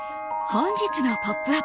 本日の「ポップＵＰ！」